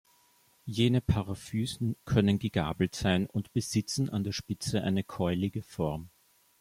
Jene Paraphysen können gegabelt sein und besitzen an der Spitze eine keulige Form.